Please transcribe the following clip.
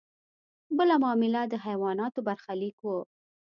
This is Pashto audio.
بله معامله د حیواناتو برخلیک و.